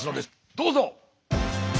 どうぞ！